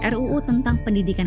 ruu tentang pendidikan